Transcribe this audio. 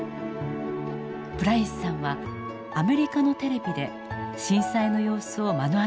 プライスさんはアメリカのテレビで震災の様子を目の当たりにしました。